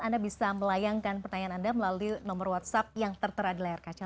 anda bisa melayangkan pertanyaan anda melalui nomor whatsapp yang tertera di layar kaca